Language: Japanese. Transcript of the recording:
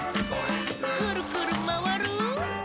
「くるくるまわる！」